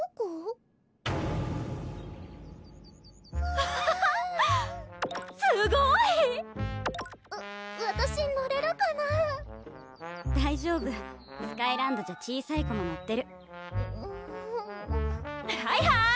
アハハハすごい！わわたし乗れるかな大丈夫スカイランドじゃ小さい子も乗ってるうぅはいはい！